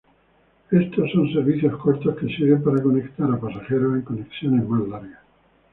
Estos son servicios cortos que sirven para conectar a pasajeros en conexiones más largas.